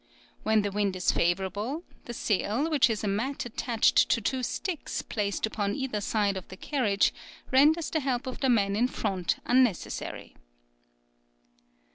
When the wind is favourable, the sail, which is a mat attached to two sticks placed upon either side of the carriage, renders the help of the man in front unnecessary.